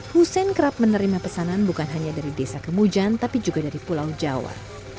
hussein kerap menerima pesanan bukan hanya dari desa kemujan tapi juga dari pulau jawa